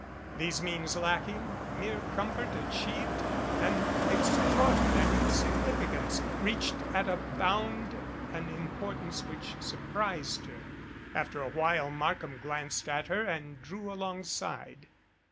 Those means lacking, mere comfort achieved an extraordinary significance reached at a bound an importance which surprised her. After a while Markham glanced at her and drew alongside.